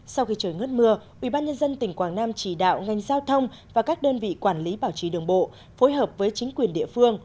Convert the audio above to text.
sau khi trời ngất mưa ubnd tỉnh quảng nam chỉ đạo ngành giao thông và các đơn vị quản lý bảo trì đường bộ phối hợp với chính quyền địa phương